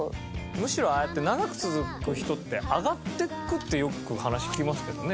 むしろああやって長く続く人って上がっていくってよく話聞きますけどね